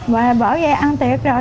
bà bởi vậy ăn tiệc rồi